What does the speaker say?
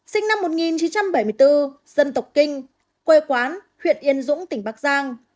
sinh năm một nghìn chín trăm bảy mươi bốn dân tộc kinh quê quán huyện yên dũng tỉnh bắc giang